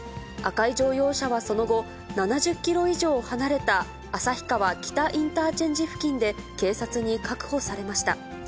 赤い乗用車はその後、７０キロ以上離れた旭川北インターチェンジ付近で警察に確保されました。